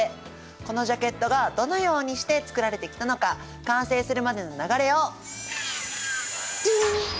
このジャケットがどのようにして作られてきたのか完成するまでの流れをドン！